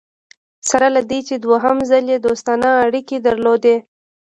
سره له دې چې دوهم ځل یې دوستانه اړیکي درلودې.